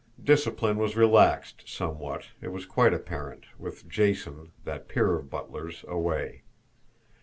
Discipline was relaxed somewhat, it was quite apparent, with Jason, that peer of butlers, away.